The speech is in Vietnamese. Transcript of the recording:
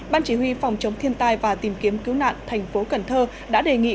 ban chỉ huy phòng chống thiên tai và tìm kiếm cứu nạn thành phố cần thơ đã đề nghị